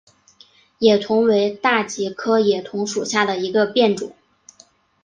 野桐为大戟科野桐属下的一个变种。